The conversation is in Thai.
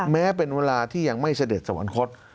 แม้เป็นเวลาที่ยังไม่เสด็จสวรรคต